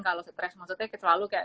kalau stres maksudnya selalu kayak